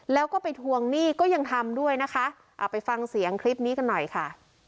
แล้วก็ไปทวงหนี้ก็ยังทำด้วยนะคะเอาไปฟังเสียงคลิปนี้กันหน่อยค่ะ